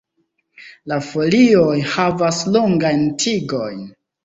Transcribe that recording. La folioj havas longajn tigojn.